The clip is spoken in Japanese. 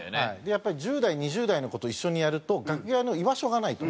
やっぱり１０代２０代の子と一緒にやると楽屋の居場所がないと。